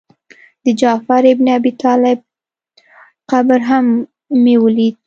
د جعفر بن ابي طالب قبر هم مې ولید.